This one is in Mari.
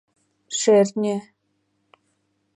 Шӧртньӧ…